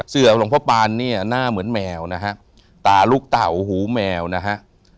เสือหลวงพ่อปานเนี่ยหน้าเหมือนแมวนะฮะตาลูกเต่าหูแมวนะฮะ